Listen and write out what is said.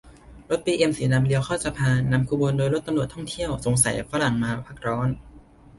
รถบีเอ็มสีดำเลี้ยวเข้าสภา นำขบวนโดยรถตำรวจท่องเที่ยว สงสัยฝรั่งมาพักร้อน